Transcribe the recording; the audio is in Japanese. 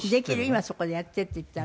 今そこでやってって言ったら。